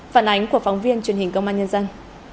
phản ánh của phóng viên truyền hình công an nhân dân